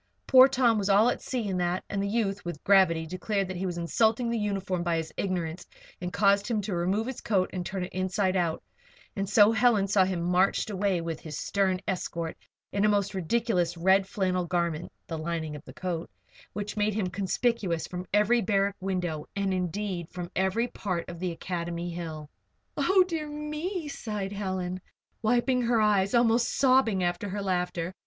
Poor Tom was all at sea in that, and the youth, with gravity, declared that he was insulting the uniform by his ignorance and caused him to remove his coat and turn it inside out; and so Helen and Ruth saw him marched away with his stern escort, in a most ridiculous red flannel garment (the lining of the coat) which made him conspicuous from every barrack window and, indeed, from every part of the academy hill. "Oh, dear me!" sighed Helen, wiping her eyes and almost sobbing after her laughter.